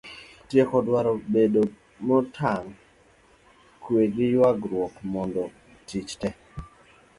tieke dwaro bedo motang' ,kwe gi nyagruok mondo tich te